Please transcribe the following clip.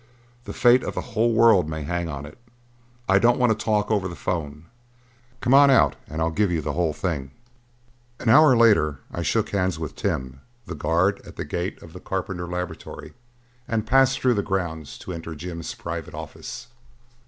"The fate of the whole world may hang on it. I don't want to talk over the phone; come on out and I'll give you the whole thing." An hour later I shook hands with Tim, the guard at the gate of the Carpenter laboratory, and passed through the grounds to enter Jim's private office.